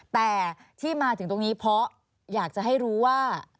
แต่ที่มาถึงตรงนี้เพราะอยากจะให้รู้ว่า